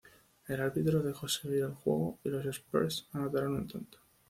El árbitro dejó seguir el juego y los "spurs" anotaron un tanto.